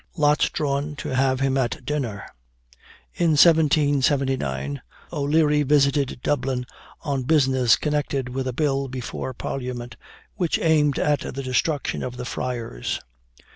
LOTS DRAWN TO HAVE HIM AT DINNER In 1779, O'Leary visited Dublin on business connected with a bill before parliament, which aimed at the destruction of the friars.